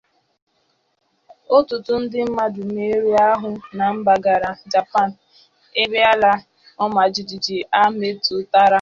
Ọtụtụ ndị mmadụ merụrụ ahụ na-mpaghara Japan ebe ala ọma jijiji a metụtara